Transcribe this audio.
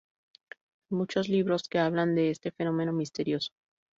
Hay muchos libros que hablan de este fenómeno misterioso.